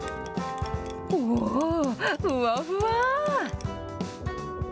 おー、ふわふわ。